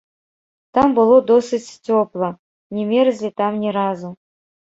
Там было досыць цёпла, не мерзлі там ні разу.